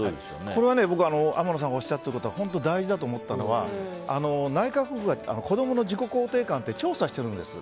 これは天野さんがおっしゃることで本当に大事だと思ったのは内閣府が子供の自己肯定感を調査してるんです。